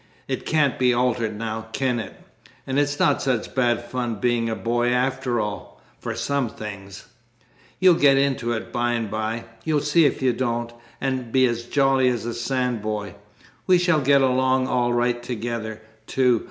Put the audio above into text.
It can't be altered now, can it? And it's not such bad fun being a boy after all for some things. You'll get into it by and by, you see if you don't, and be as jolly as a sandboy. We shall get along all right together, too.